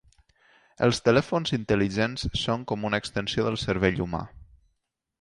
Els telèfons intel·ligents són com una extensió del cervell humà.